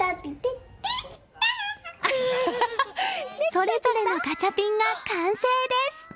それぞれのガチャピンが完成です！